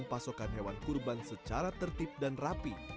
pasokan hewan kurban secara tertib dan rapi